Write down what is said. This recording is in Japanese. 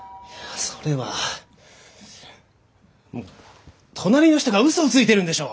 それは隣の人がうそをついてるんでしょ。